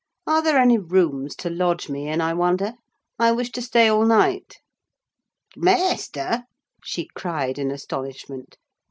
Are there any rooms to lodge me in, I wonder? I wish to stay all night." "T' maister!" she cried in astonishment.